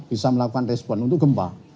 bisa melakukan respon untuk gempa